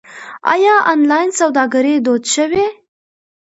آیا آنلاین سوداګري دود شوې؟